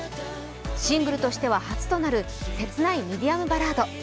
シングルとしては初となる切ないミディアムバラード。